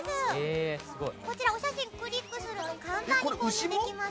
こちらお写真をクリックすると簡単に購入できます。